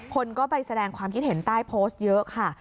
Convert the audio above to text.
คนก็ไปแสดงความคิดเห็นใต้โพสต์เยอะค่ะ